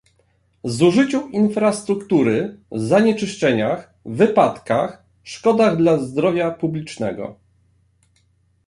zużyciu infrastruktury, zanieczyszczeniach, wypadkach, szkodach dla zdrowia publicznego